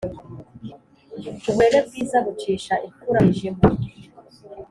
Uburere bwiza bucisha imfura mu mwijima.